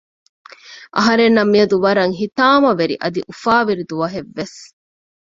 އަހަރެންނަށް މިއަދު ވަރަށް ހިތާމަވެރި އަދި އުފާވެރި ދުވަހެއް ވެސް